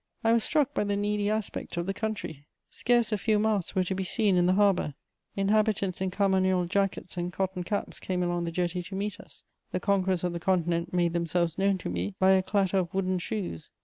I was struck by the needy aspect of the country: scarce a few masts were to be seen in the harbour; inhabitants in carmagnole jackets and cotton caps came along the jetty to meet us: the conquerors of the Continent made themselves known to me by a clatter of wooden shoes.